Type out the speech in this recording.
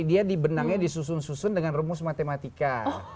dia di benangnya disusun susun dengan rumus matematika